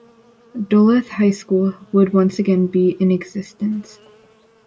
Duluth High School would once again be in existence.